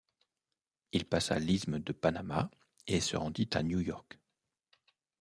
Il passa l'isthme de Panama et se rendit à New York.